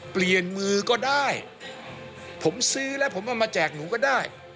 เปลี่ยนมือก็ได้ผมซื้อแล้วผมเอามาแจกหนูก็ได้